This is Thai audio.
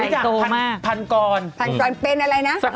ใหญ่โตมากตรงนี้นึก่อนพันกร